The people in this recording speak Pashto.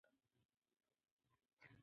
حسين بن ملکيار د ميرويس خان پلار و.